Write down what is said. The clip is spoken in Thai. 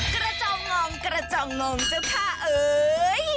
กระเจ้างองกระเจ้างองเจ้าข้าเอ่ย